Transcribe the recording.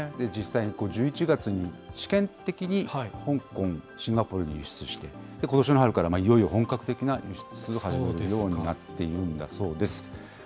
実際に１１月に試験的に香港、シンガポールに輸出して、ことしの春からいよいよ本格的な輸出を始めるようになっているんだそうです。